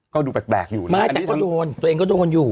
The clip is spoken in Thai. ก็ดูแปลกอยู่นะอันนี้ต้องไม่แต่ตัวตัวคนตัวเองก็ตัวคนอยู่